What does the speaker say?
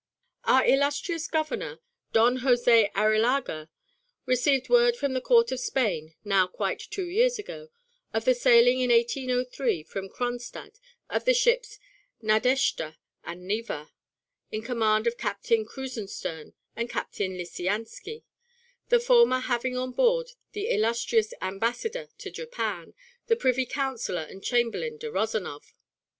"Our illustrious Governor, Don Jose Arrillaga, received word from the court of Spain, now quite two years ago, of the sailing in 1803 from Kronstadt of the ships Nadeshda and Neva, in command of Captain Krusenstern and Captain Lisiansky, the former having on board the illustrious Ambassador to Japan, the Privy Counsellor and Chamberlain de Rezanov.